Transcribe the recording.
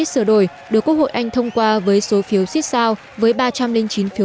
nói rằng dự luật về brexit sửa đổi được quốc hội anh thông qua với số phiếu xích sao với ba trăm linh chín phiếu